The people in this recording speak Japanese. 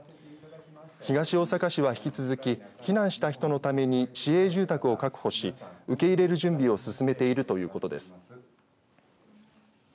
東大阪市は引き続き避難した人のために市営住宅を確保し受け入れる準備を進めているということです。